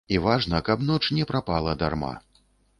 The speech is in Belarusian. І важна, каб ноч не прапала дарма.